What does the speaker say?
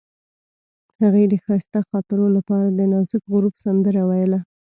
هغې د ښایسته خاطرو لپاره د نازک غروب سندره ویله.